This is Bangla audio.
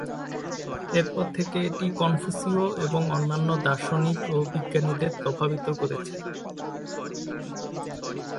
এরপর থেকে এটি কনফুসীয় এবং অন্যান্য দার্শনিক ও বিজ্ঞানীদের প্রভাবিত করেছে।